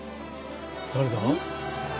誰だ？